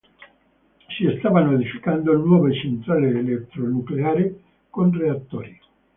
Si stavano edificando nuove centrale elettronucleare con reattori.